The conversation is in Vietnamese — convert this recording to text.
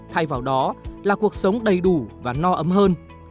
thay vào đó là cuộc sống đầy đủ và no ấm hơn